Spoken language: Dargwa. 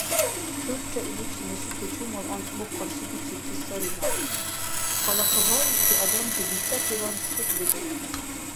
ГӀуррара иличи мешути чумал анцӀбукь къаршидикибти сари наб, халакабаибти адамти биштӀативан шикьбикӀути.